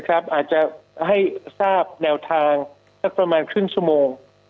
อาจจะให้ทราบแนวทางสักประมาณครึ่งชั่วโมง